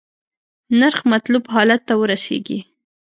نرخ مطلوب حالت ته ورسیږي.